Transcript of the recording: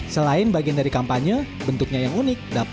selain bagian dari kampanye bentuknya yang unik